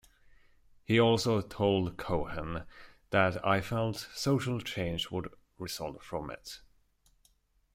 He also told Cohen that, I felt social change would result from it.